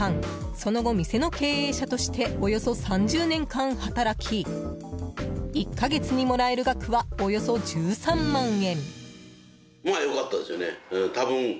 その後、店の経営者としておよそ３０年間働き１か月にもらえる額はおよそ１３万円。